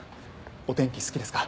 お天気好きですか？